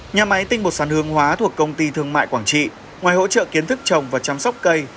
nhà máy tinh bột sắn hương hóa thuộc công ty thương mại quảng trị ngoài hỗ trợ kiến thức trồng và chăm sóc cây